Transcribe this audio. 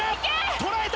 捉えた！